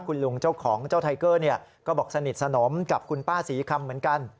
คุณลุงเจ้าของเจ้าไทเกอร์ก็บอกสนิทสนมกับคุณป้าศรีคำเหมือนกัน